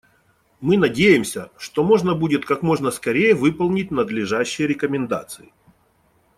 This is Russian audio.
Мы надеемся, что можно будет как можно скорее выполнить надлежащие рекомендации.